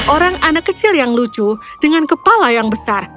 orang anak kecil yang lucu dengan kepala yang besar